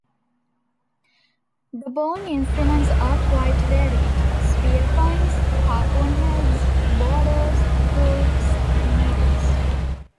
The bone instruments are quite varied: spear-points; harpoon-heads, borers, hooks and needles.